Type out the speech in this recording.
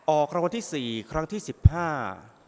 ออกรางวัลที่สี่ครั้งที่สิบห้า